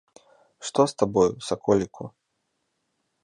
Што з табою, саколіку?!